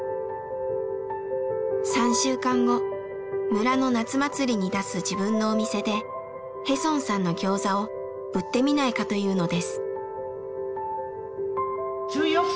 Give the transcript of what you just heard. ３週間後村の夏祭りに出す自分のお店でヘソンさんのギョーザを売ってみないかというのです。